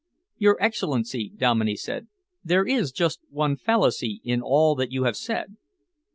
"Your Excellency," Dominey said, "there is just one fallacy in all that you have said."